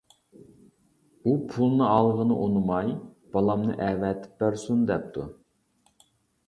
ئۇ پۇلنى ئالغىنى ئۇنىماي بالامنى ئەۋەتىپ بەرسۇن دەپتۇ.